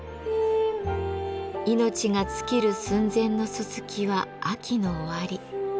命が尽きる寸前のすすきは秋の終わり。